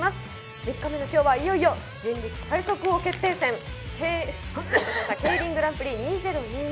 ３日目の今日はいよいよ人力最速王決定戦、ＫＥＩＲＩＮグランプリ２０２２。